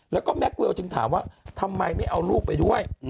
แล้วก็แม็กเวลจึงถามว่าทำไมไม่เอาลูกไปด้วย